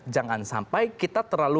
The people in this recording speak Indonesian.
jangan sampai kita terlalu